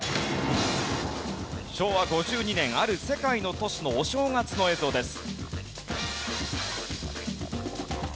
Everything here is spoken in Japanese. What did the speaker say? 昭和５２年ある世界の都市のお正月の映像です。